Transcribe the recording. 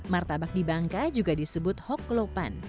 martabak di bangka juga disebut hoklo pan